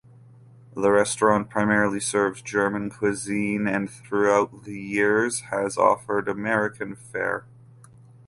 The restaurant primarily serves German cuisine and throughout the years has offered American fare.